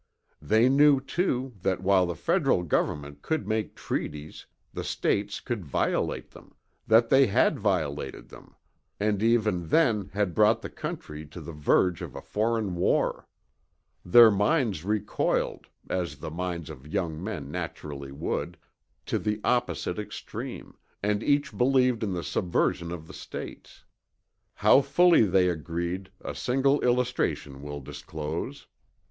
They knew too that while the general government could make treaties, the States could violate them that they had violated them, and even then had brought the country to the verge of a foreign war. Their minds recoiled, as the minds of young men naturally would, to the opposite extreme, and each believed in the subversion of the States. How fully they agreed a single illustration will disclose.